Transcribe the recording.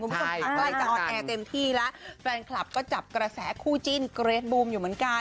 คุณผู้ชมค่ะใกล้จะออนแอร์เต็มที่แล้วแฟนคลับก็จับกระแสคู่จิ้นเกรทบูมอยู่เหมือนกัน